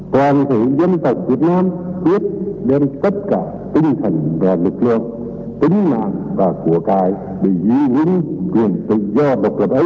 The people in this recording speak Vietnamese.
toàn thể dân tộc việt nam biết đem tất cả tinh thần và lực lượng tính mạng và của cải để dí dính quyền tự do và độc lập ấy